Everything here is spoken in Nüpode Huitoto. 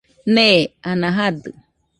Nee, ana jadɨ